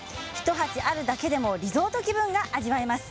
１鉢あるだけでリゾート気分が味わえます。